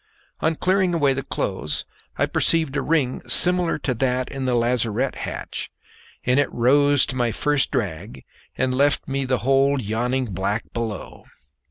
On clearing away the clothes I perceived a ring similar to that in the lazarette hatch, and it rose to my first drag and left me the hold yawning black below.